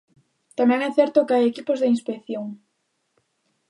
Tamén é certo que hai equipos de inspección.